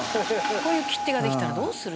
「こういう切手ができたらどうするの」